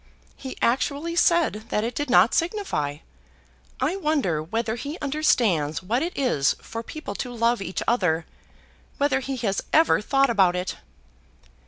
He actually said that it did not signify. I wonder whether he understands what it is for people to love each other; whether he has ever thought about it."